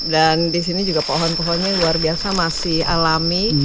dan disini juga pohon pohonnya luar biasa masih alami